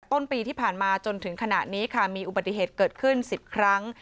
ต้นปีที่ผ่านมาจนถึงขณะนี้ค่ะมีอุบัติเหตุเกิดขึ้น๑๐ครั้ง